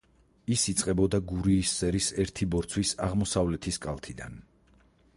ის იწყებოდა გურიის სერის ერთი ბორცვის აღმოსავლეთის კალთიდან.